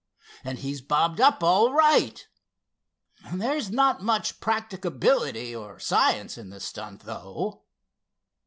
And he's bobbed up all right. There's not much practicability or science in the stunt, though."